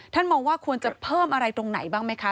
มองว่าควรจะเพิ่มอะไรตรงไหนบ้างไหมคะ